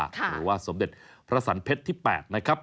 หรือว่าสมเด็จพระสันเพชรที่๘นะครับ